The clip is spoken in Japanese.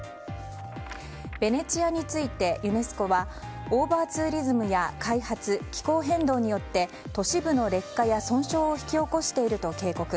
ベネチアについてユネスコはオーバーツーリズムや開発気候変動によって都市部の劣化や損傷を引き起こしていると警告。